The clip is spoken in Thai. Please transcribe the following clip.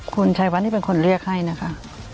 คุณชัยวัดนี่เป็นคนเรียกให้นะคะ